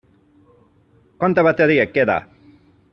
Quanta bateria et queda?